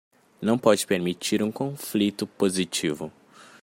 Não pode permitir um conflito positivo